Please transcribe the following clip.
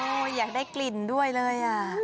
โอ้อยากได้กลิ่นด้วยเลย